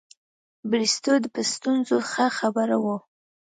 بریسټو په ستونزو ښه خبر وو.